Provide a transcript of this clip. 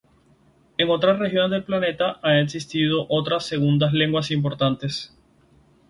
En otras regiones del planeta han existido otras segundas lenguas importantes.